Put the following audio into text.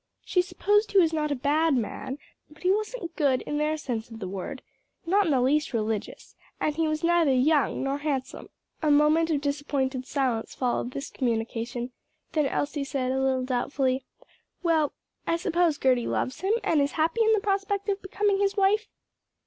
"She supposed he was not a bad man; but he wasn't good in their sense of the word not in the least religious and he was neither young nor handsome." A moment of disappointed silence followed this communication, then Elsie said, a little doubtfully, "Well, I suppose Gerty loves him, and is happy in the prospect of becoming his wife?"